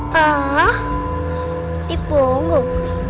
hah tipe bonggok